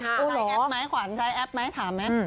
ใช้แอปไหมขวัญใช้แอปไหมถามไหม